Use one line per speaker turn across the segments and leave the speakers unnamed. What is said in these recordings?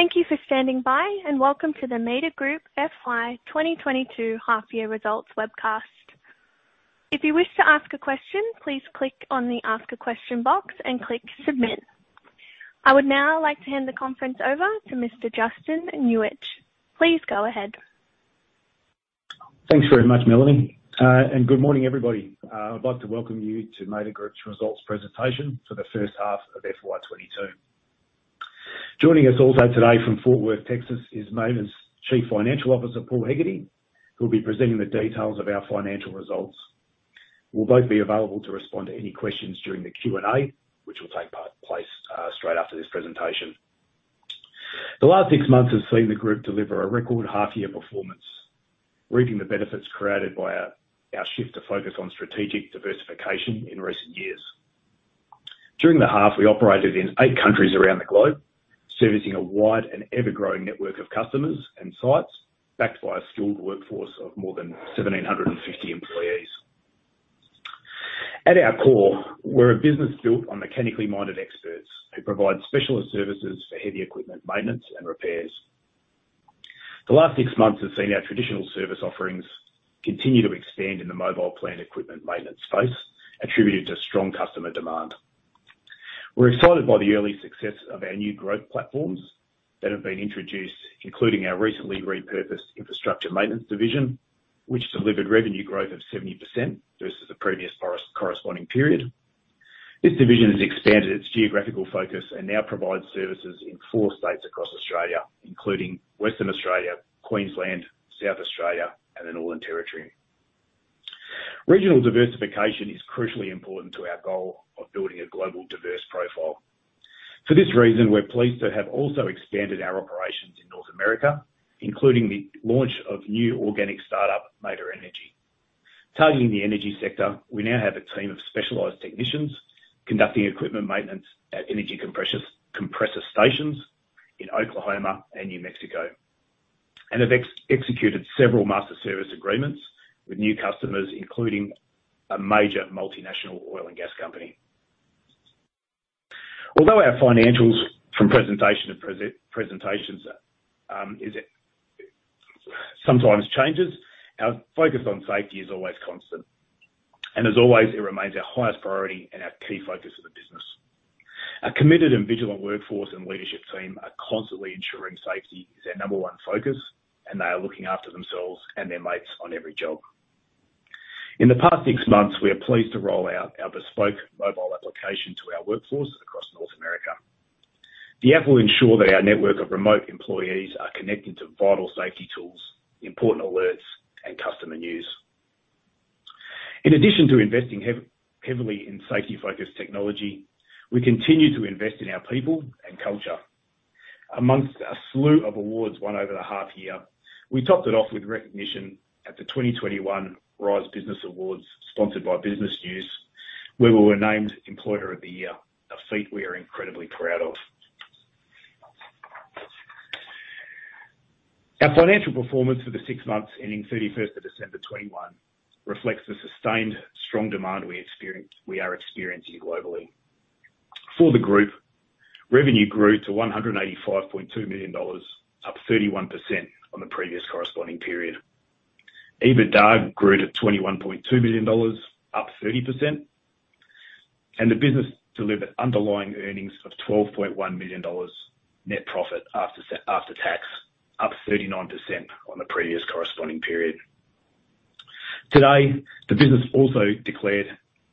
Thank you for standing by, and welcome to the Mader Group FY 2022 half year results webcast. If you wish to ask a question, please click on the Ask a Question box and click Submit. I would now like to hand the conference over to Mr. Justin Nuich. Please go ahead.
Thanks very much, Melanie. And good morning, everybody. I'd like to welcome you to Mader Group's results presentation for the first half of FY 2022. Joining us also today from Fort Worth, Texas, is Mader's Chief Financial Officer, Paul Hegarty, who will be presenting the details of our financial results. We'll both be available to respond to any questions during the Q&A, which will take place straight after this presentation. The last six months have seen the group deliver a record half-year performance, reaping the benefits created by our shift to focus on strategic diversification in recent years. During the half, we operated in eight countries around the globe, servicing a wide and ever-growing network of customers and sites backed by a skilled workforce of more than 1,750 employees. At our core, we're a business built on mechanically-minded experts who provide specialist services for heavy equipment maintenance and repairs. The last six months have seen our traditional service offerings continue to expand in the mobile plant equipment maintenance space, attributed to strong customer demand. We're excited by the early success of our new growth platforms that have been introduced, including our recently repurposed infrastructure maintenance division, which delivered revenue growth of 70% versus the previous corresponding period. This division has expanded its geographical focus and now provides services in four states across Australia, including Western Australia, Queensland, South Australia, and the Northern Territory. Regional diversification is crucially important to our goal of building a global, diverse profile. For this reason, we're pleased to have also expanded our operations in North America, including the launch of new organic start-up, Mader Energy. Targeting the energy sector, we now have a team of specialized technicians conducting equipment maintenance at energy compressor stations in Oklahoma and New Mexico, and have executed several master service agreements with new customers, including a major multinational oil and gas company. Although our financials from presentation to presentations sometimes change, our focus on safety is always constant. As always, it remains our highest priority and our key focus of the business. Our committed and vigilant workforce and leadership team are constantly ensuring safety is their number one focus, and they are looking after themselves and their mates on every job. In the past six months, we are pleased to roll out our bespoke mobile application to our workforce across North America. The app will ensure that our network of remote employees are connected to vital safety tools, important alerts, and customer news. In addition to investing heavily in safety-focused technology, we continue to invest in our people and culture. Amongst a slew of awards won over the half year, we topped it off with recognition at the 2021 RISE Business Awards sponsored by Business News, where we were named Employer of the Year, a feat we are incredibly proud of. Our financial performance for the six months ending 31st of December 2021 reflects the sustained strong demand we are experiencing globally. For the group, revenue grew to 185.2 million dollars, up 31% on the previous corresponding period. EBITDA grew to 21.2 million dollars, up 30%. The business delivered underlying earnings of 12.1 million dollars net profit after tax, up 39% on the previous corresponding period. Today, the business also declared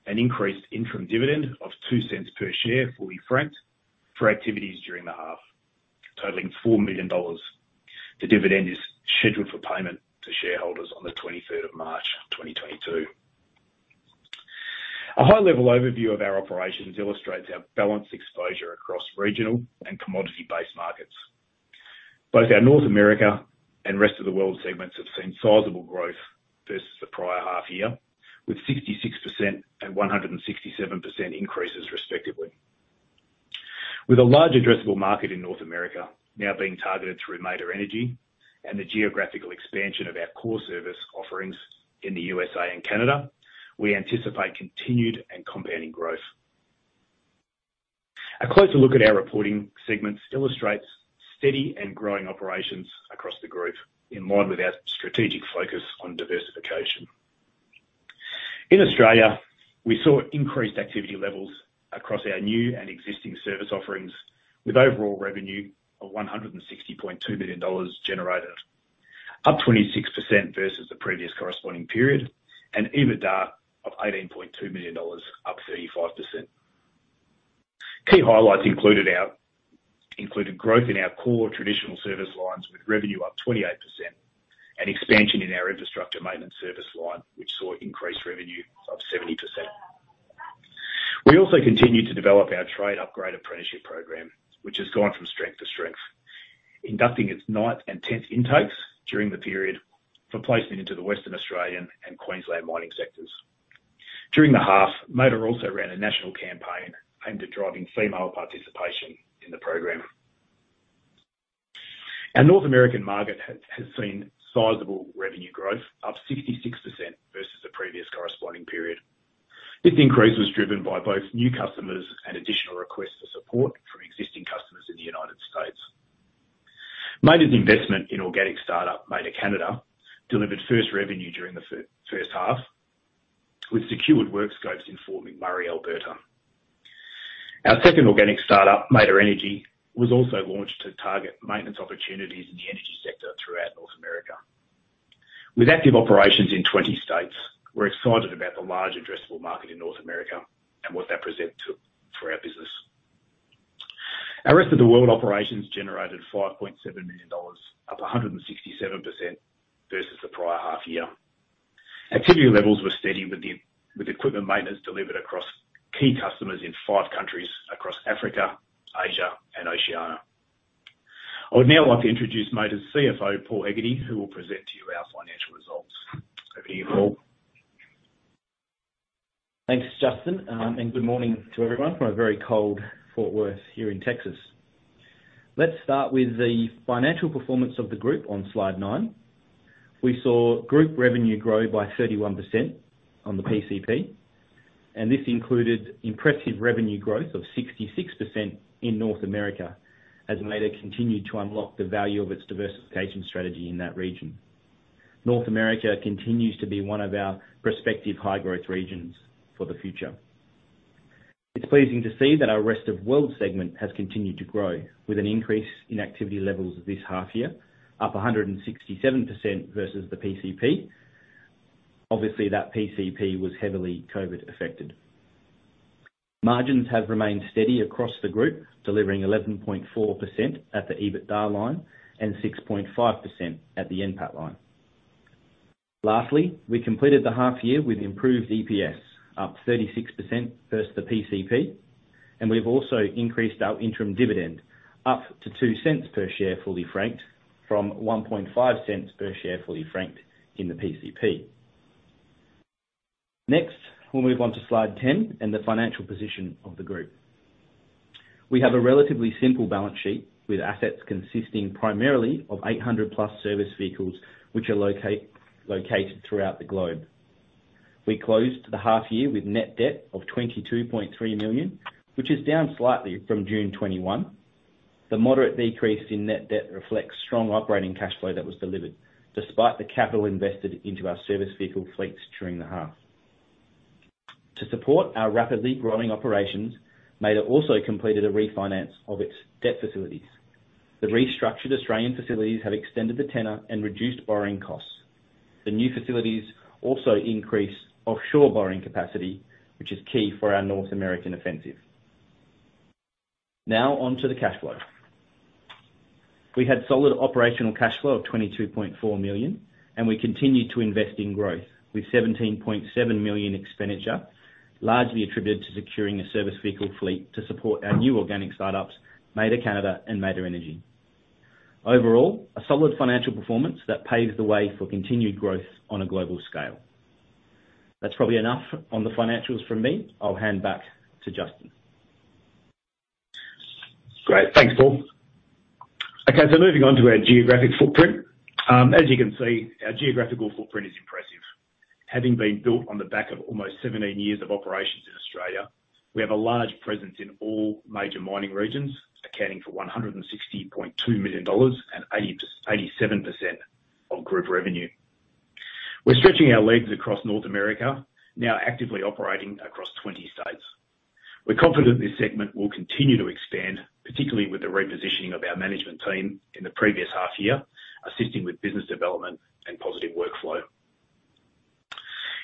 an increased interim dividend of 0.02 per share, fully franked, for activities during the half, totaling 4 million dollars. The dividend is scheduled for payment to shareholders on the 23rd of March, 2022. A high-level overview of our operations illustrates our balanced exposure across regional and commodity-based markets. Both our North America and Rest of the World segments have seen sizable growth versus the prior half year, with 66% and 167% increases respectively. With a large addressable market in North America now being targeted through Mader Energy and the geographical expansion of our core service offerings in the USA and Canada, we anticipate continued and compounding growth. A closer look at our reporting segments illustrates steady and growing operations across the group in line with our strategic focus on diversification. In Australia, we saw increased activity levels across our new and existing service offerings with overall revenue of 160.2 million dollars generated, up 26% versus the previous corresponding period, and EBITDA of 18.2 million dollars, up 35%. Key highlights included growth in our core traditional service lines with revenue up 28% and expansion in our infrastructure maintenance service line, which saw increased revenue of 70%. We also continued to develop our trade upgrade apprenticeship program, which has gone from strength to strength, inducting its ninth and tenth intakes during the period for placement into the Western Australian and Queensland mining sectors. During the half, Mader also ran a national campaign aimed at driving female participation in the program. Our North American market has seen sizable revenue growth up 66% versus the previous corresponding period. This increase was driven by both new customers and additional requests for support from existing customers in the United States. Mader's investment in organic startup, Mader Canada, delivered first revenue during the first half, with secured work scopes in Fort McMurray, Alberta. Our second organic startup, Mader Energy, was also launched to target maintenance opportunities in the energy sector throughout North America. With active operations in 20 states, we're excited about the large addressable market in North America and what that presents to, for our business. Our Rest of the World operations generated 5.7 million dollars, up 167% versus the prior half year. Activity levels were steady with equipment maintenance delivered across key customers in five countries across Africa, Asia, and Oceania. I would now like to introduce Mader's CFO, Paul Hegarty, who will present to you our financial results. Over to you, Paul.
Thanks, Justin, and good morning to everyone from a very cold Fort Worth here in Texas. Let's start with the financial performance of the group on slide nine. We saw group revenue grow by 31% on the PCP, and this included impressive revenue growth of 66% in North America as Mader continued to unlock the value of its diversification strategy in that region. North America continues to be one of our prospective high-growth regions for the future. It's pleasing to see that our Rest of World segment has continued to grow, with an increase in activity levels this half year, up 167% versus the PCP. Obviously, that PCP was heavily COVID affected. Margins have remained steady across the group, delivering 11.4% at the EBITDA line and 6.5% at the NPAT line. Lastly, we completed the half year with improved EPS, up 36% versus the PCP, and we've also increased our interim dividend up to 0.02 per share fully franked from 0.015 per share fully franked in the PCP. Next, we'll move on to slide 10 and the financial position of the group. We have a relatively simple balance sheet with assets consisting primarily of 800+ service vehicles which are located throughout the globe. We closed the half year with net debt of 22.3 million, which is down slightly from June 2021. The moderate decrease in net debt reflects strong operating cash flow that was delivered despite the capital invested into our service vehicle fleets during the half. To support our rapidly growing operations, Mader also completed a refinance of its debt facilities. The restructured Australian facilities have extended the tenor and reduced borrowing costs. The new facilities also increase offshore borrowing capacity, which is key for our North American offensive. Now on to the cash flow. We had solid operational cash flow of 22.4 million, and we continued to invest in growth with 17.7 million expenditure, largely attributed to securing a service vehicle fleet to support our new organic startups, Mader Canada and Mader Energy. Overall, a solid financial performance that paves the way for continued growth on a global scale. That's probably enough on the financials from me. I'll hand back to Justin.
Great. Thanks, Paul. Okay, moving on to our geographic footprint. As you can see, our geographical footprint is impressive. Having been built on the back of almost 17 years of operations in Australia, we have a large presence in all major mining regions, accounting for 160.2 million dollars and 87% of group revenue. We're stretching our legs across North America, now actively operating across 20 states. We're confident this segment will continue to expand, particularly with the repositioning of our management team in the previous half year, assisting with business development and positive workflow.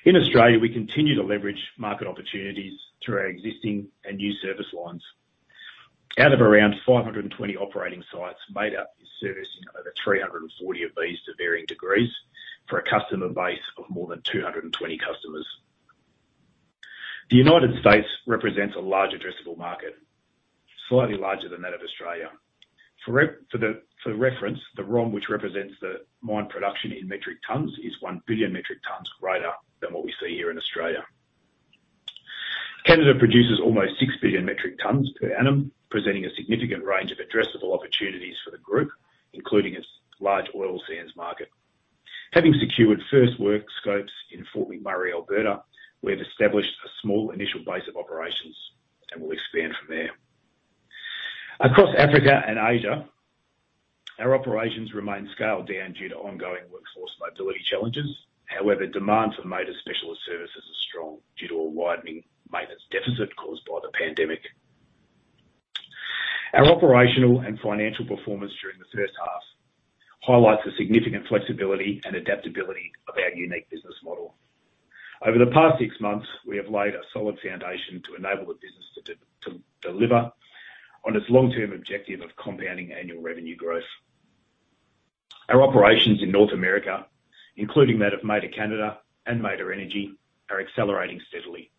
In Australia, we continue to leverage market opportunities through our existing and new service lines. Out of around 520 operating sites, Mader is servicing over 340 of these to varying degrees for a customer base of more than 220 customers. The United States represents a large addressable market, slightly larger than that of Australia. For reference, the ROM which represents the mine production in metric tons is 1 billion metric tons greater than what we see here in Australia. Canada produces almost 6 billion metric tons per annum, presenting a significant range of addressable opportunities for the group, including its large oil sands market. Having secured first work scopes in Fort McMurray, Alberta, we have established a small initial base of operations and will expand from there. Across Africa and Asia, our operations remain scaled down due to ongoing workforce mobility challenges. However, demand for Mader specialist services are strong due to a widening maintenance deficit caused by the pandemic. Our operational and financial performance during the first half highlights the significant flexibility and adaptability of our unique business model. Over the past six months, we have laid a solid foundation to enable the business to deliver on its long-term objective of compounding annual revenue growth. Our operations in North America, including that of Mader Canada and Mader Energy, are accelerating steadily,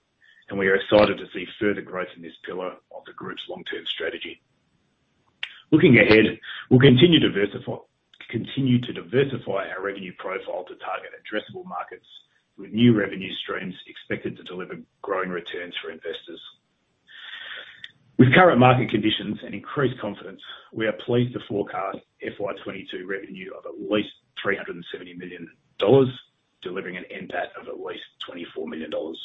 and we are excited to see further growth in this pillar of the group's long-term strategy. Looking ahead, we'll continue to diversify our revenue profile to target addressable markets with new revenue streams expected to deliver growing returns for investors. With current market conditions and increased confidence, we are pleased to forecast FY 2022 revenue of at least 370 million dollars, delivering an NPAT of at least 24 million dollars.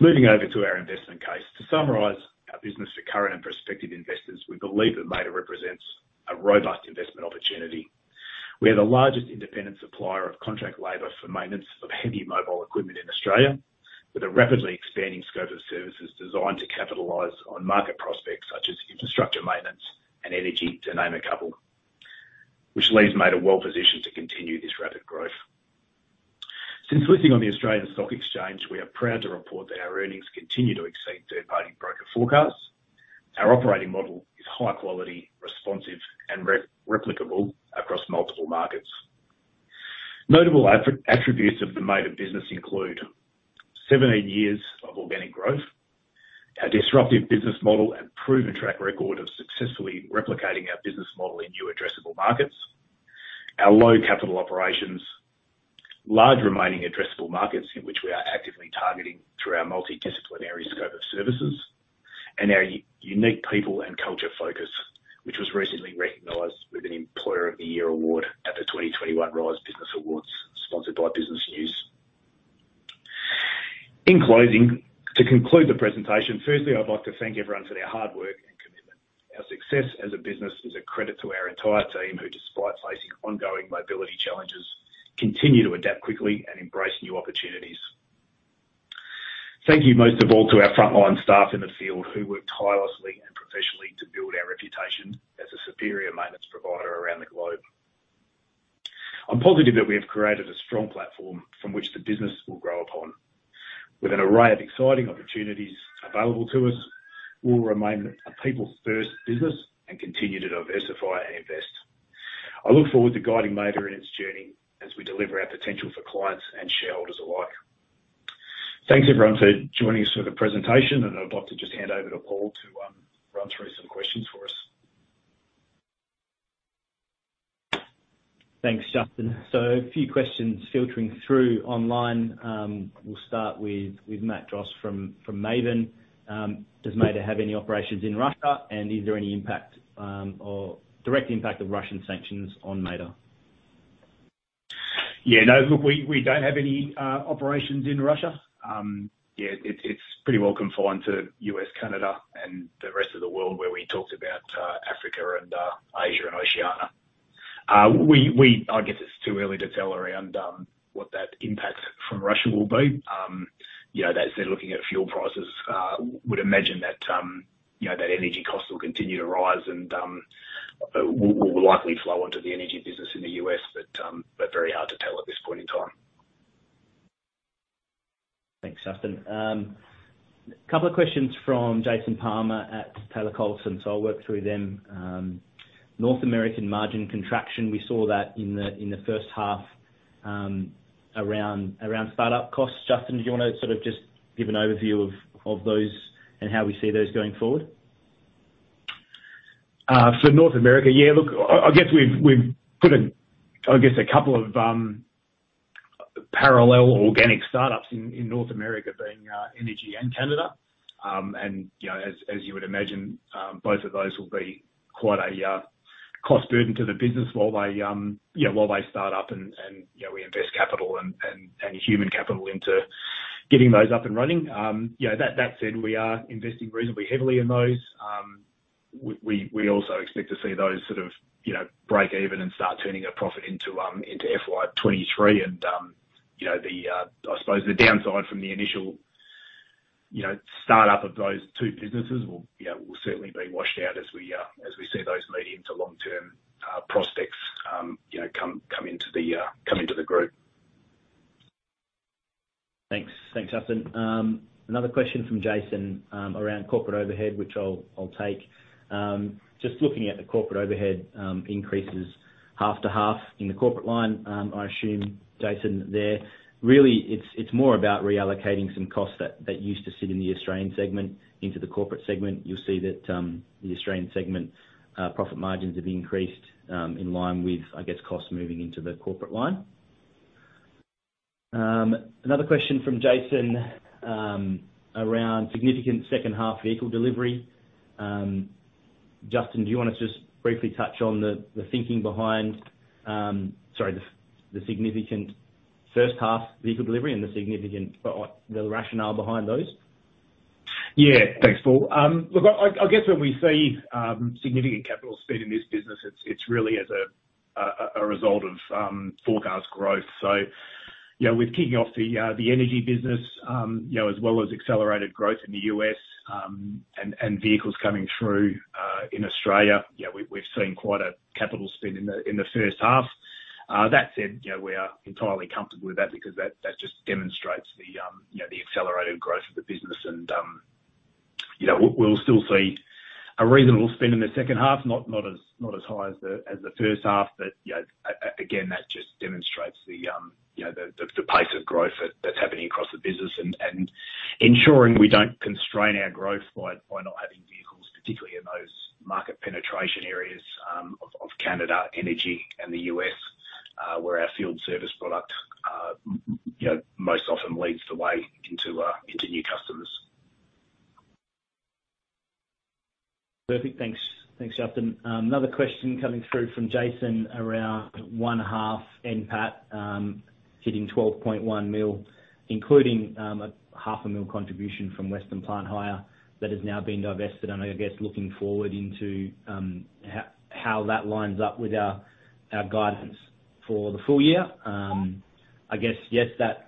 Moving over to our investment case, to summarize our business for current and prospective investors, we believe that Mader represents a robust investment opportunity. We are the largest independent supplier of contract labor for maintenance of heavy mobile equipment in Australia, with a rapidly expanding scope of services designed to capitalize on market prospects such as infrastructure maintenance and energy, to name a couple, which leaves Mader well-positioned to continue this rapid growth. Since listing on the Australian Securities Exchange, we are proud to report that our earnings continue to exceed third-party broker forecasts. Our operating model is high quality, responsive and replicable across multiple markets. Notable attributes of the Mader business include 17 years of organic growth, our disruptive business model and proven track record of successfully replicating our business model in new addressable markets, our low capital operations, large remaining addressable markets in which we are actively targeting through our multidisciplinary scope of services, and our unique people and culture focus, which was recently recognized with an Employer of the Year award at the 2021 RISE Business Awards, sponsored by Business News. In closing, to conclude the presentation, firstly, I'd like to thank everyone for their hard work and commitment. Our success as a business is a credit to our entire team who, despite facing ongoing mobility challenges, continue to adapt quickly and embrace new opportunities. Thank you most of all to our frontline staff in the field who work tirelessly and professionally to build our reputation as a superior maintenance provider around the globe. I'm positive that we have created a strong platform from which the business will grow upon. With an array of exciting opportunities available to us, we'll remain a people-first business and continue to diversify and invest. I look forward to guiding Mader in its journey as we deliver our potential for clients and shareholders alike. Thanks, everyone, for joining us for the presentation, and I'd like to just hand over to Paul to run through some questions for us.
Thanks, Justin. A few questions filtering through online. We'll start with Matt Joass from Maven. Does Mader have any operations in Russia? Is there any impact, or direct impact of Russian sanctions on Mader?
Yeah, no, look, we don't have any operations in Russia. Yeah, it's pretty well confined to U.S., Canada, and the rest of the world where we talked about Africa and Asia and Oceania. I guess it's too early to tell around what that impact from Russia will be. You know, they're looking at fuel prices. Would imagine that you know that energy costs will continue to rise and will likely flow onto the energy business in the U.S., but very hard to tell at this point in time.
Thanks, Justin. Couple of questions from Jason Palmer at Taylor Collison, so I'll work through them. North American margin contraction, we saw that in the first half, around start-up costs. Justin, do you wanna sort of just give an overview of those and how we see those going forward?
For North America, yeah, look, I guess we've put a couple of parallel organic start-ups in North America being Mader Energy and Mader Canada. You know, as you would imagine, both of those will be quite a cost burden to the business while they start up and you know we invest capital and human capital into getting those up and running. You know, that said, we are investing reasonably heavily in those. We also expect to see those sort of you know break even and start turning a profit into FY 2023. You know, I suppose the downside from the initial you know start-up of those two businesses will you know certainly be washed out as we see those medium- to long-term prospects you know come into the group.
Thanks. Thanks, Justin. Another question from Jason around corporate overhead, which I'll take. Just looking at the corporate overhead increases half to half in the corporate line, I assume, Jason, that really it's more about reallocating some costs that used to sit in the Australian segment into the corporate segment. You'll see that the Australian segment profit margins have increased in line with, I guess, costs moving into the corporate line. Another question from Jason around significant second half vehicle delivery. Justin, do you want to just briefly touch on the thinking behind. Sorry, the significant first half vehicle delivery and the significant. The rationale behind those.
Yeah. Thanks, Paul. Look, I guess when we see significant capital spend in this business, it's really as a result of forecast growth. You know, with kicking off the energy business, you know, as well as accelerated growth in the U.S., and vehicles coming through in Australia, you know, we've seen quite a capital spend in the first half. That said, you know, we are entirely comfortable with that because that just demonstrates the accelerated growth of the business. You know, we'll still see a reasonable spend in the second half, not as high as the first half. You know, again, that just demonstrates the pace of growth that's happening across the business and ensuring we don't constrain our growth by not having vehicles particularly available in areas of Canadian energy and the U.S., where our field service product, you know, most often leads the way into new customers.
Perfect. Thanks. Thanks, Justin. Another question coming through from Jason around 1H NPAT, hitting 12.1 million, including half a million AUD contribution from Western Plant Hire that has now been divested. I guess looking forward into how that lines up with our guidance for the full year. I guess yes, that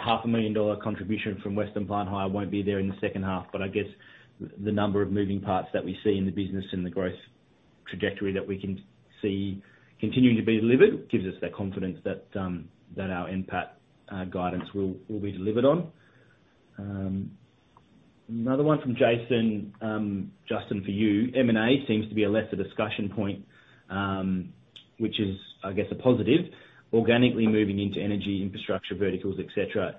half a million AUD contribution from Western Plant Hire won't be there in the second half, but I guess the number of moving parts that we see in the business and the growth trajectory that we can see continuing to be delivered gives us that confidence that our NPAT guidance will be delivered on. Another one from Jason, Justin, for you. M&A seems to be a lesser discussion point, which is, I guess, a positive. Organically moving into energy infrastructure, verticals, et cetera.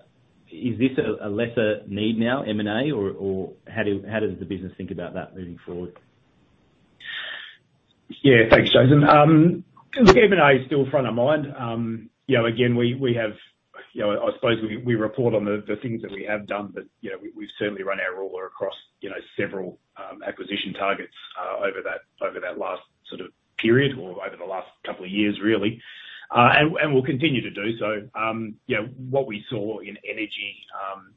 Is this a lesser need now, M&A? Or how does the business think about that moving forward?
Yeah. Thanks, Jason. Look, M&A is still front of mind. You know, again, we have, you know, I suppose we report on the things that we have done, but, you know, we've certainly run our ruler across, you know, several acquisition targets over that last sort of period or over the last couple of years really. We'll continue to do so. You know, what we saw in energy,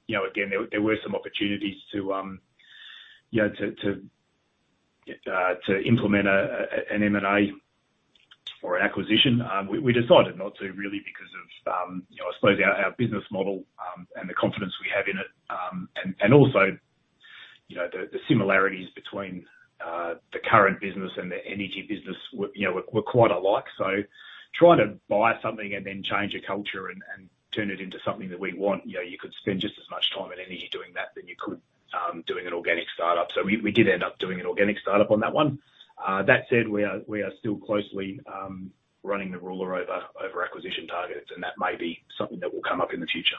you know, again, there were some opportunities to, you know, to implement an M&A or an acquisition. We decided not to really because of, you know, I suppose our business model and the confidence we have in it. Also, you know, the similarities between the current business and the energy business, you know, were quite alike. Trying to buy something and then change a culture and turn it into something that we want, you know, you could spend just as much time and energy doing that than you could doing an organic startup. We did end up doing an organic startup on that one. That said, we are still closely running the ruler over acquisition targets, and that may be something that will come up in the future.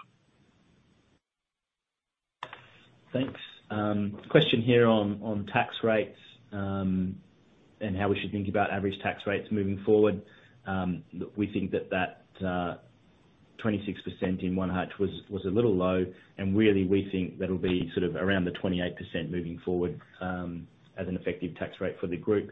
Thanks. Question here on tax rates and how we should think about average tax rates moving forward. We think that 26% in 1H was a little low, and really we think that'll be sort of around the 28% moving forward as an effective tax rate for the group.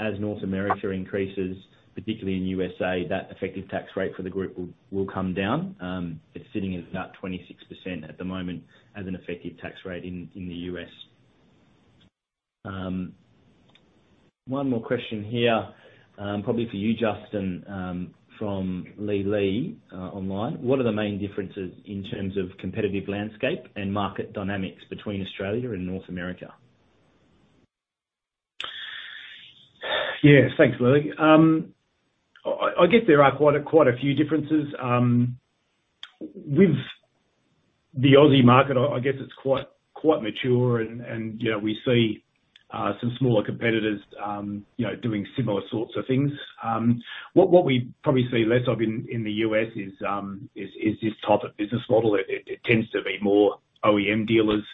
As North America increases, particularly in the U.S., that effective tax rate for the group will come down. It's sitting at about 26% at the moment as an effective tax rate in the U.S. One more question here, probably for you, Justin, from Lee Lee online. What are the main differences in terms of competitive landscape and market dynamics between Australia and North America?
Yeah. Thanks, Lee Lee. I guess there are quite a few differences. With the Aussie market, I guess it's quite mature and, you know, we see some smaller competitors, you know, doing similar sorts of things. What we probably see less of in the U.S. is this type of business model. It tends to be more OEM dealers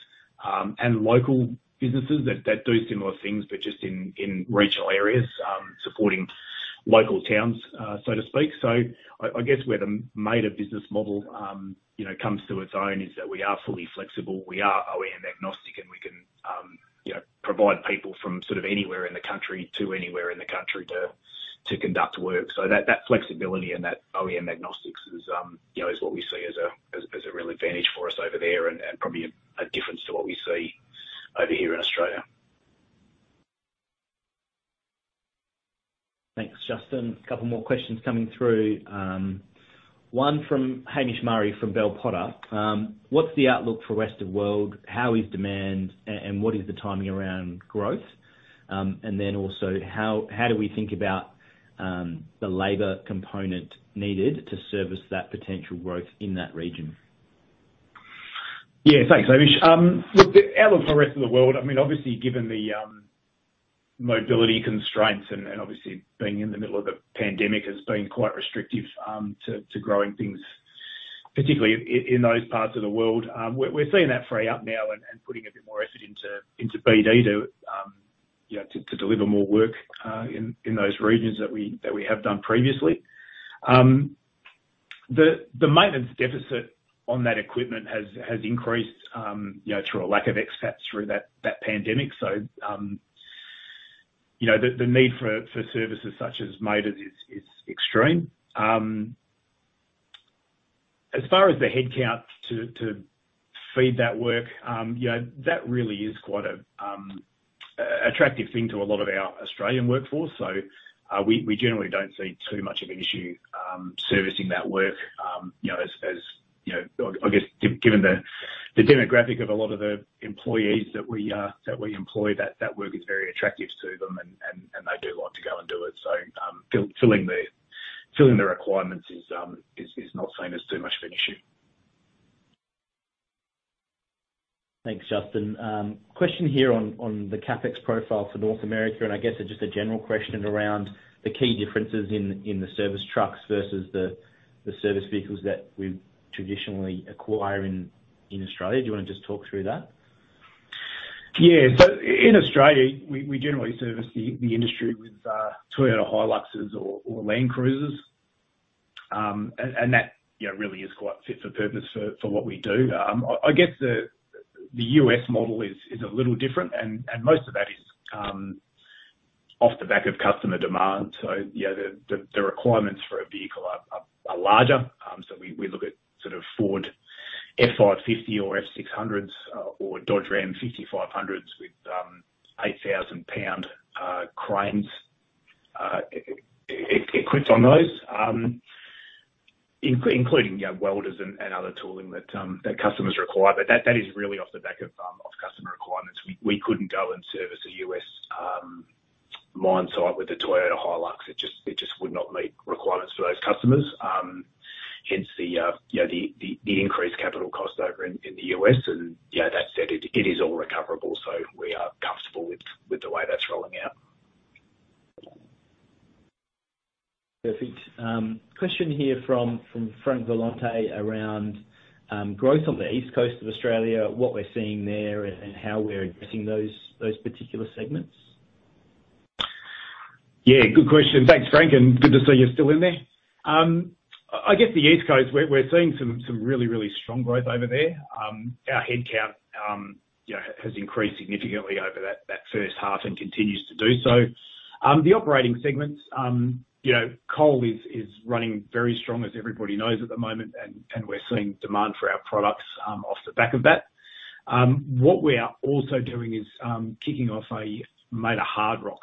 and local businesses that do similar things, but just in regional areas supporting local towns, so to speak. I guess where the Mader business model, you know, comes to its own is that we are fully flexible, we are OEM agnostic, and we can, you know, provide people from sort of anywhere in the country to anywhere in the country to conduct work. That flexibility and that OEM agnosticism is, you know, what we see as a real advantage for us over there and probably a difference to what we see over here in Australia.
Thanks, Justin. A couple more questions coming through. One from Hamish Murray from Bell Potter. What's the outlook for rest of world? How is demand and what is the timing around growth? And then also, how do we think about the labor component needed to service that potential growth in that region?
Thanks, Hamish. The outlook for the rest of the world, I mean, obviously, given the mobility constraints and obviously being in the middle of a pandemic has been quite restrictive to growing things, particularly in those parts of the world. We're seeing that free up now and putting a bit more effort into BD to deliver more work in those regions that we have done previously. The maintenance deficit on that equipment has increased through a lack of access through that pandemic. The need for services such as Mader is extreme. As far as the headcount to feed that work, you know, that really is quite a attractive thing to a lot of our Australian workforce. We generally don't see too much of an issue servicing that work. You know, as you know, I guess given the demographic of a lot of the employees that we employ, that work is very attractive to them and they do like to go and do it. Filling the requirements is not seen as too much of an issue.
Thanks, Justin. Question here on the CapEx profile for North America, and I guess just a general question around the key differences in the service trucks versus the service vehicles that we traditionally acquire in Australia. Do you wanna just talk through that?
Yeah. In Australia, we generally service the industry with Toyota HiLuxes or Land Cruisers. That, you know, really is quite fit for purpose for what we do. I guess the U.S. model is a little different and most of that is off the back of customer demand. Yeah, the requirements for a vehicle are larger. We look at sort of Ford F-550 or F-600s, or Dodge Ram 5500s with 8,000-pound cranes equipped on those. Including, you know, welders and other tooling that customers require. That is really off the back of customer requirements. We couldn't go and service a U.S. mine site with a Toyota HiLux. It just would not meet requirements for those customers. Hence the you know, the increased capital cost over in the U.S. Yeah, that said, it is all recoverable, so we are comfortable with the way that's rolling out.
Perfect. Question here from Frank Volante around growth on the east coast of Australia, what we're seeing there and how we're addressing those particular segments.
Yeah, good question. Thanks, Frank, and good to see you're still in there. I guess the east coast, we're seeing some really strong growth over there. Our head count, you know, has increased significantly over that first half and continues to do so. The operating segments, you know, coal is running very strong as everybody knows at the moment and we're seeing demand for our products off the back of that. What we are also doing is kicking off a minor hard rock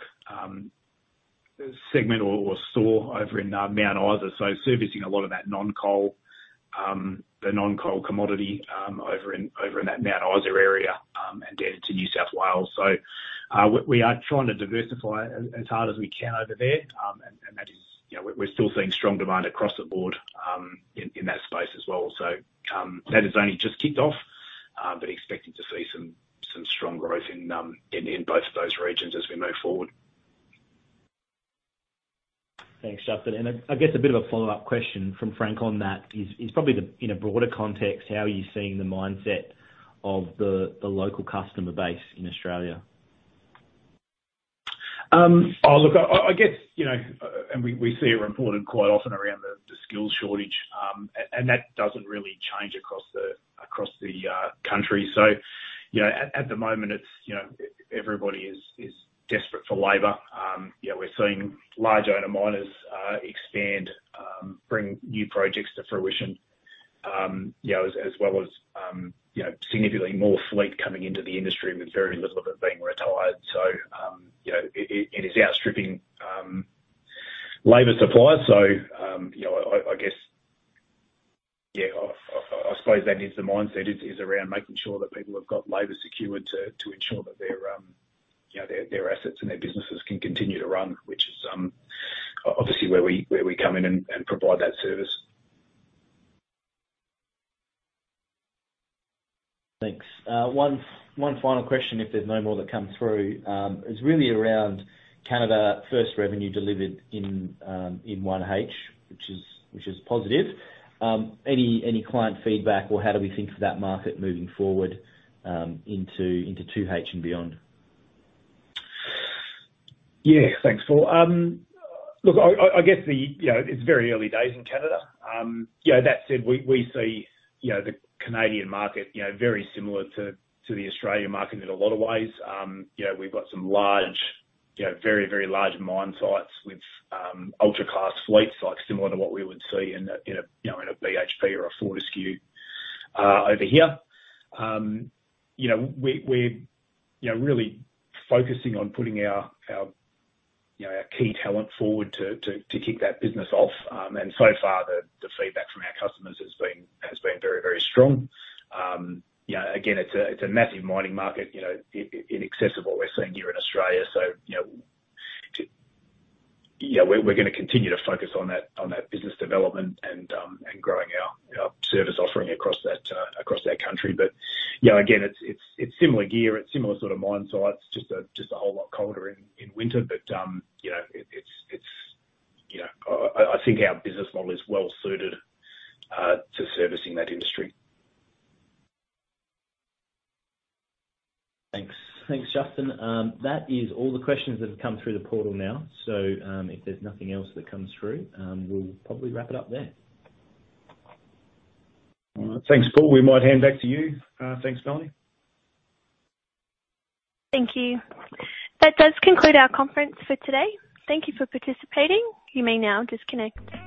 segment or store over in Mount Isa, servicing a lot of that non-coal, the non-coal commodity over in that Mount Isa area and down into New South Wales. We are trying to diversify as hard as we can over there. You know, we're still seeing strong demand across the board, in that space as well. That has only just kicked off, but we're expecting to see some strong growth in both of those regions as we move forward.
Thanks, Justin. I guess a bit of a follow-up question from Frank on that is probably in a broader context, how are you seeing the mindset of the local customer base in Australia?
Look, I guess, you know, we see it reported quite often around the skills shortage. That doesn't really change across the country. You know, at the moment it's you know everybody is desperate for labor. You know, we're seeing large owner miners expand, bring new projects to fruition. You know, as well as you know significantly more fleet coming into the industry with very little of it being retired. You know, it is outstripping labor supply. I guess, yeah, I suppose that is the mindset is around making sure that people have got labor secured to ensure that their you know their assets and their businesses can continue to run, which is obviously where we come in and provide that service.
Thanks. One final question if there's no more that come through, is really around Canada first revenue delivered in 1H, which is positive. Any client feedback or how do we think for that market moving forward, into 2H and beyond?
Yeah. Thanks, Paul. Look, I guess. You know, it's very early days in Canada. You know, that said, we see the Canadian market very similar to the Australian market in a lot of ways. You know, we've got some large very large mine sites with ultra-class fleets, like similar to what we would see in a BHP or a Fortescue over here. You know, we're really focusing on putting our key talent forward to kick that business off. And so far the feedback from our customers has been very strong. You know, again, it's a massive mining market in excess of what we're seeing here in Australia. You know, yeah, we're gonna continue to focus on that business development and growing our service offering across that country. You know, again, it's similar gear, it's similar sort of mine sites, just a whole lot colder in winter. You know, it's, you know, I think our business model is well suited to servicing that industry.
Thanks. Thanks, Justin. That is all the questions that have come through the portal now. If there's nothing else that comes through, we'll probably wrap it up there.
All right. Thanks, Paul. We might hand back to you. Thanks, Melanie.
Thank you. That does conclude our conference for today. Thank you for participating. You may now disconnect.